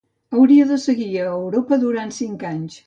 Hauria de seguir a Europa durant cinc anys.